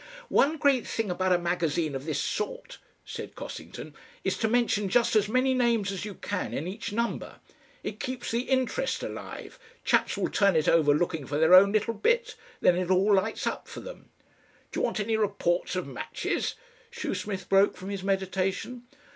"One great thing about a magazine of this sort," said Cossington, "is to mention just as many names as you can in each number. It keeps the interest alive. Chaps will turn it over looking for their own little bit. Then it all lights up for them." "Do you want any reports of matches?" Shoesmith broke from his meditation.